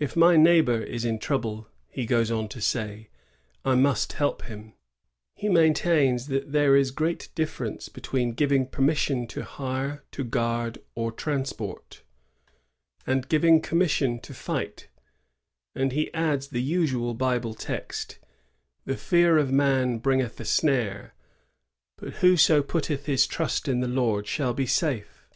^*If my neighbor is in trouble," he goes on to say, *^I must help him." He maintains that ^Hhere is great difference between giving permission to hire to guard or transport, and giving commission to fight," and he adds the usual Bible text, ^* The fear of man bringeth a snare; but whoso putteth his trust in the Lord shall be safe."